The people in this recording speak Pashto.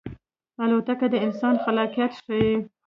الوتکه د انسان خلاقیت ښيي.